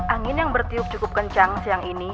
angin yang bertiup cukup kencang siang ini